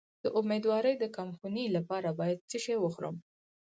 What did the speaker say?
د امیدوارۍ د کمخونی لپاره باید څه شی وخورم؟